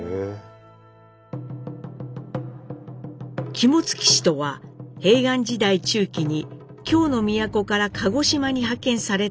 肝付氏とは平安時代中期に京の都から鹿児島に派遣された豪族。